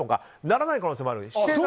ならない可能性もありますよ。